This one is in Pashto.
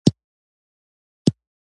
ځغاسته د شکر ضد عمل دی